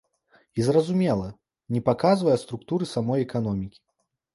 І, зразумела, не паказвае структуры самой эканомікі.